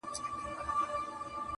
پر دې دلالت کوي.